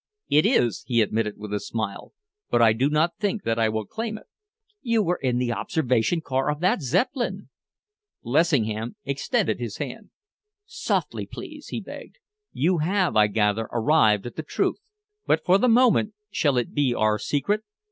"It is," he admitted with a smile, "but I do not think that I will claim it." "You were in the observation car of that Zeppelin!" Lessingham extended his hand. "Softly, please," he begged. "You have, I gather, arrived at the truth, but for the moment shall it be our secret?